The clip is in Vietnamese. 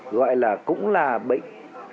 gọi là cũng là bệnh